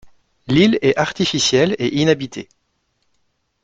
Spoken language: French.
L’île est artificielle et inhabitée.